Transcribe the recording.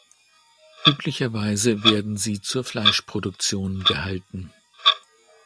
Üblicherweise werden sie zur Fleischproduktion gehalten.